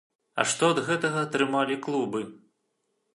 А што ад гэтага атрымалі клубы?